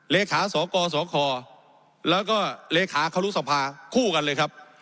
เลขาสกสคแล้วก็เลขาครุสภาคู่กันเลยครับ